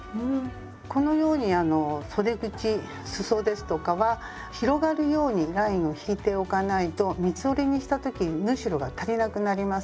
このようにあのそで口すそですとかは広がるようにラインを引いておかないと三つ折りにした時に縫い代が足りなくなります。